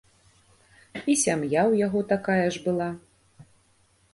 І сям'я ў яго такая ж была.